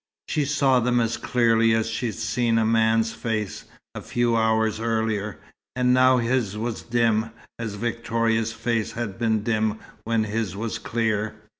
She saw them as clearly as she had seen a man's face, a few hours earlier; and now his was dim, as Victoria's face had been dim when his was clear.